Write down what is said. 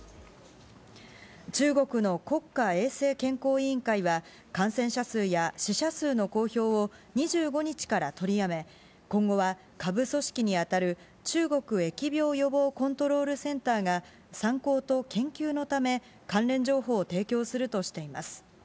中国の国家衛生健康委員会は、感染者数や死者数の公表を２５日から取りやめ、今後は、下部組織に当たる中国疫病予防コントロールセンターが参考と研究のため、関連情報を提供するとしています。